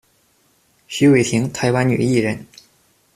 徐玮婷，台湾女艺人。